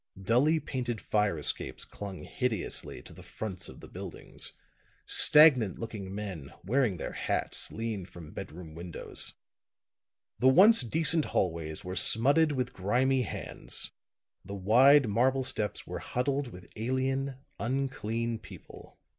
Dully painted fire escapes clung hideously to the fronts of the buildings; stagnant looking men, wearing their hats, leaned from bedroom windows. The once decent hallways were smutted with grimy hands; the wide marble steps were huddled with alien, unclean people.